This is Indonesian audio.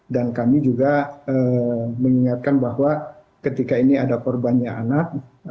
dan kami juga mengingatkan bahwa ketika ini ada korbannya anak